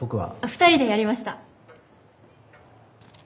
２人でやりました。